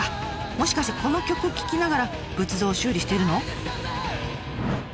もしかしてこの曲聴きながら仏像を修理してるの？